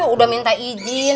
udah minta izin